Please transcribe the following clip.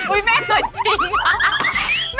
อุ๊ยแม่หน่อยจริง